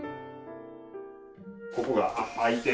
ここが開いて。